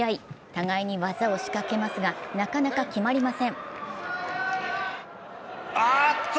互いに技を仕掛けますがなかなか決まりません。